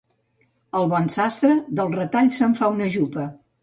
El bon sastre, dels retalls se'n fa una jupa.